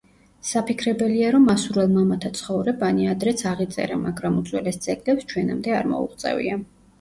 საფიქრებელია, რომ ასურელ მამათა ცხოვრებანი ადრეც აღიწერა, მაგრამ უძველეს ძეგლებს ჩვენამდე არ მოუღწევია.